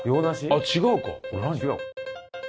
あっ違うか。